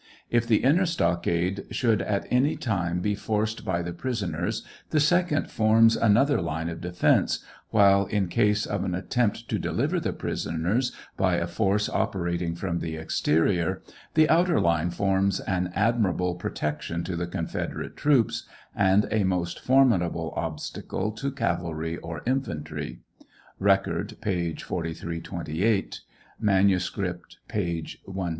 If the inner stockade should at any time be forced by the prisoners, the second forms another line of defence, while in case of an attempt to deliver the prisoners by a force operating upon the exterior, the outer line forms an admirable pro tection to the confederate troops, and a most formidable obstacle to cavalry or infantry. (Record, p. 4328.) | Manuscript, p. 17'2.